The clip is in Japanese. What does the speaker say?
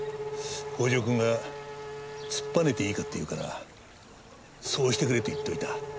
北条君が突っぱねていいかって言うからそうしてくれと言っておいた。